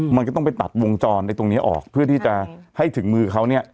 มันก็ต้องไปตัดวงจรในตรงนี้ออกเพื่อที่จะให้ถึงมือเขาเนี่ย